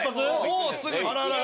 もうすぐに。